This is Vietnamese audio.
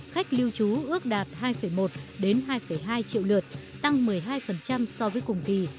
khách lưu trú ước đạt hai một hai hai triệu lượt tăng một mươi hai so với cùng kỳ